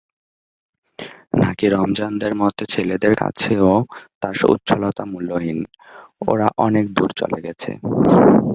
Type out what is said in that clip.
নাকি রমজানদের মত ছেলেদের কাছেও তার উচ্ছলতা মূল্যহীন? ওরা অনেক দূর চলে গেছে।